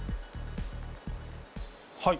はい。